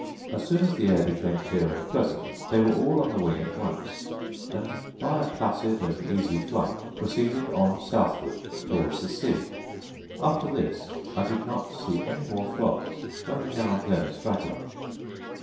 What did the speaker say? As soon as the air became clear and pleasant they all were on the wing at once; and, by a placid and easy flight, proceeded on southward towards the sea: after this I did not see any more flocks, only now and then a straggler.